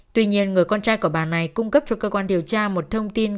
tuy nhiên người con trai của bà này cung cấp cho cơ quan điều tra một thông tin